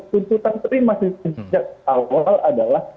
tuntutan terima sejak awal adalah